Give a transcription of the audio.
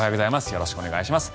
よろしくお願いします。